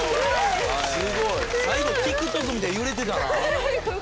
最後ＴｉｋＴｏｋみたいに揺れてたな。